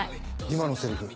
今のセリフ